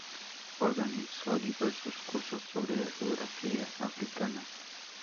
Organizó diversos cursos sobre la geografía africana.